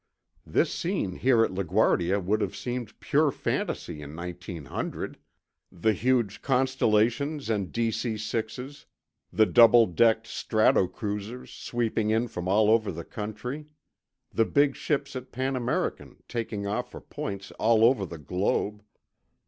This scene here at La Guardia would have seemed pure fantasy in 1900—thc huge Constellations and DC 6's; the double decked Stratocruisers, sweeping in from all over the country; the big ships at Pan American, taking off for points all over the globe.